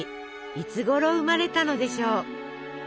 いつごろ生まれたのでしょう？